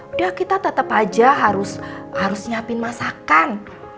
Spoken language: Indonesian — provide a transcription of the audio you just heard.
udah kita tetep aja harus harus nyiapin masakan